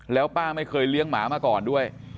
แล้วป้าไม่เคยเลี้ยงหมามาก่อนด้วย